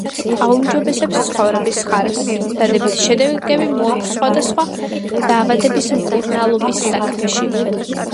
აუმჯობესებს ცხოვრების ხარისხს, დადებითი შედეგები მოაქვს სხვადასხვა დაავადებების მკურნალობის საქმეში